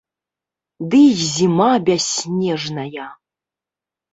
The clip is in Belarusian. Ды й зіма бясснежная!